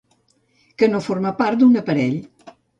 Que no forma part d'un parell.